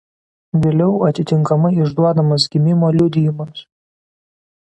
Vėliau atitinkamai išduodamas gimimo liudijimas.